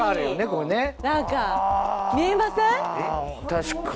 確かに。